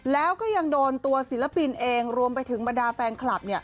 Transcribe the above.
แล้วก็ยังโดนตัวศิลปินเองรวมไปถึงบรรดาแฟนคลับ